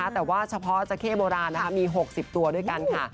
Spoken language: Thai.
แต่ว่าเฉพาะจักเข้โบราณมี๖๐ตัวด้วยกันค่ะ